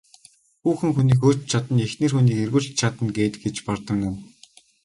Хүүхэн хүнийг хөөж ч чадна, эхнэр хүнийг эргүүлж ч чадна гээд гэж бардамнана.